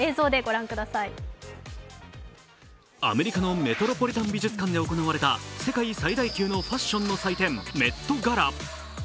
アメリカのメトロポリタン美術館で行われた世界最大級のファッションの祭典、メットガラ。